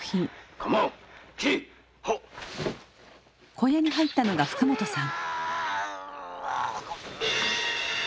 小屋に入ったのが福本さん。